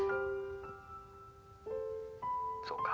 ☎そうか。